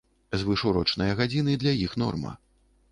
Звышурочныя гадзіны для іх норма.